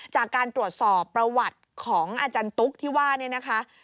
จากการตรวจสอบประวัติของอาจารย์ตุ๊กที่ว่าเนี่ยนะคะ